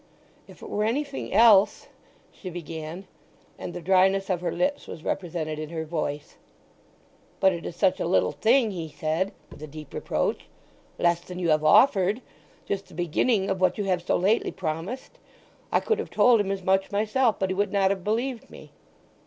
"If it were anything else," she began, and the dryness of her lips was represented in her voice. "But it is such a little thing!" he said, with a deep reproach. "Less than you have offered—just the beginning of what you have so lately promised! I could have told him as much myself, but he would not have believed me."